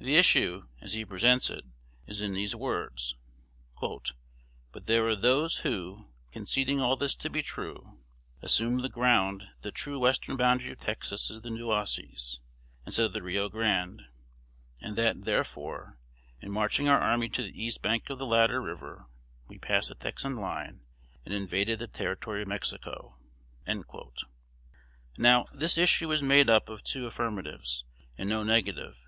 The issue, as he presents it, is in these words: "But there are those who, conceding all this to be true, assume the ground that the true western boundary of Texas is the Nueces, instead of the Rio Grande; and that, therefore, in marching our army to the east bank of the latter river, we passed the Texan line, and invaded the Territory of Mexico." Now, this issue is made up of two affirmatives, and no negative.